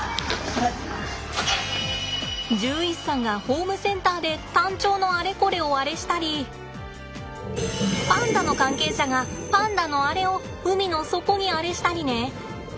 獣医師さんがホームセンターでタンチョウのあれこれをあれしたりパンダの関係者がパンダのアレを海の底にあれしたりね。